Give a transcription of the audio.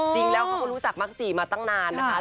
จริงแล้วเขาก็รู้จักมักจีมาตั้งนานนะคะ